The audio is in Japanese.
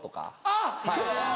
あっ！